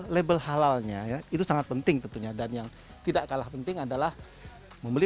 label halalnya ya itu sangat penting tentunya dan yang tidak kalah penting adalah membeli